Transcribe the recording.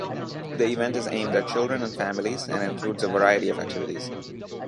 The event is aimed at children and families, and includes a variety of activities.